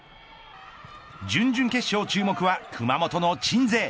準々決勝注目は熊本の鎮西。